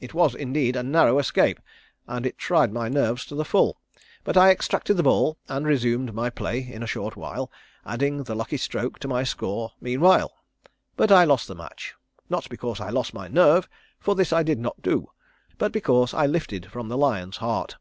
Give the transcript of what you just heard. "It was indeed a narrow escape, and it tried my nerves to the full, but I extracted the ball and resumed my play in a short while, adding the lucky stroke to my score meanwhile. But I lost the match, not because I lost my nerve, for this I did not do, but because I lifted from the lion's heart.